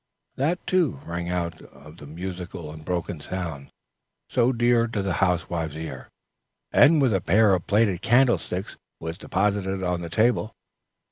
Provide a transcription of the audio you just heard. That, too, rang out the musical, unbroken sound, so dear to the housewife's ear, and, with a pair of plated candlesticks, was deposited on the table.